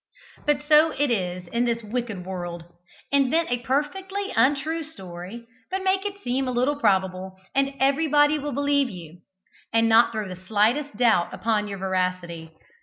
But so it is in this wicked world. Invent a perfectly untrue story, but make it seem a little probable, and everybody will believe you, and not throw the slightest doubt upon your veracity.